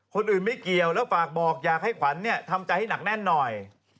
คนอื่นไม่เกี่ยวแล้วฝากบอกอยากให้ขวัญทำใจให้หนักแน่นหน่อย